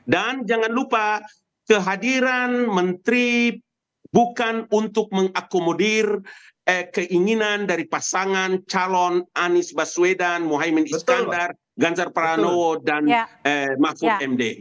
jangan lupa kehadiran menteri bukan untuk mengakomodir keinginan dari pasangan calon anies baswedan mohaimin iskandar ganjar pranowo dan mahfud md